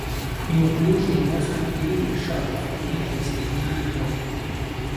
Неуклюжий, но стыдливый Шатов нежностей не любил.